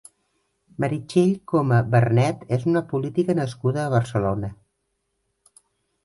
Meritxell Coma Vernet és una política nascuda a Barcelona.